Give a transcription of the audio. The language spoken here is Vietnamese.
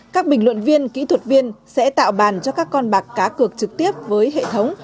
các bình luận viên kỹ thuật viên sẽ tạo bàn cho các con bạc cá cược trực tiếp với hệ thống